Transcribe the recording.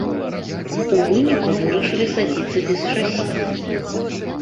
У выніку вырашылі садзіцца без шасі.